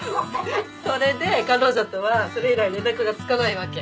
それで彼女とはそれ以来連絡がつかないわけ？